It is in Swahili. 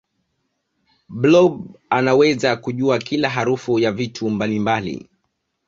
blob anaweza kujua kila harufu ya vitu mbalimbali